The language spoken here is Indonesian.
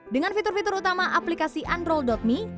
dengan fitur fitur utama aplikasi androl me